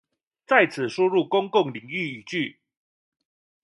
在此輸入公眾領域語句